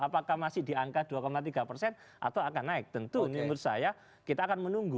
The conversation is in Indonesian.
apakah masih di angka dua tiga persen atau akan naik tentu menurut saya kita akan menunggu